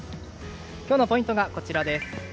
今日のポイントがこちらです。